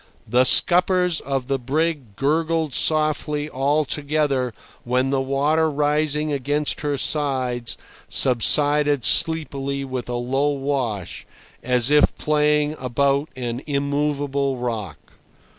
The scuppers of the brig gurgled softly all together when the water rising against her sides subsided sleepily with a low wash, as if playing about an immovable rock.